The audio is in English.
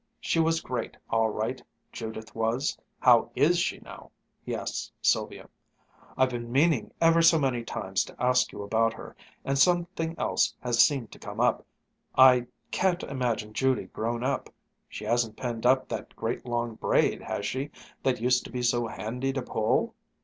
She was great, all right, Judith was! How is she now?" he asked Sylvia. "I've been meaning ever so many times to ask you about her, and something else has seemed to come up. I can't imagine Judy grown up. She hasn't pinned up that great long braid, has she, that used to be so handy to pull?"